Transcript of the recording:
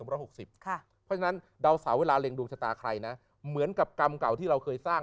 เพราะฉะนั้นดาวเสาเวลาเร็งดวงชะตาใครนะเหมือนกับกรรมเก่าที่เราเคยสร้าง